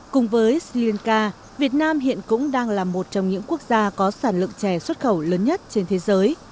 cùng với sri lanka việt nam hiện cũng đang là một trong những quốc gia có sản lượng chè xuất khẩu lớn nhất trên thế giới